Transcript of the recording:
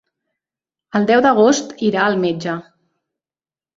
El deu d'agost irà al metge.